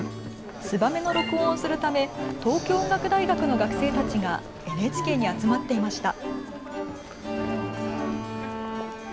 「ツバメ」の録音をするため東京音楽大学の学生たちがＮＨＫに集まっていました。